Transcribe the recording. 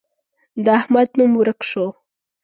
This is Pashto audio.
د احمد نوم ورک شو.